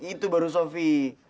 itu baru sofi